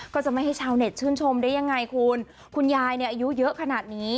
ก็จะไม่ให้ชาวเน็ตชื่นชมได้ยังไงคุณคุณยายเนี่ยอายุเยอะขนาดนี้